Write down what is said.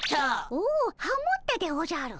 おおハモったでおじゃる。